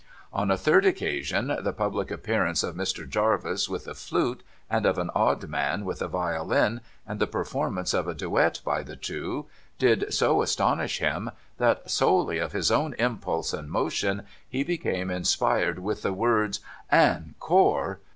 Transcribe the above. On a third occasion, the public appearance of Mr. Jarvis with a flute, and of an odd man with a violin, and the performance of a duet by the two, did so astonish him that, solely of his own impulse and motion, he became inspired with the words, 'Ann Koar